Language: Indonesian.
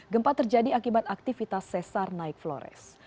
gempa terjadi akibat aktivitas sesar naik flores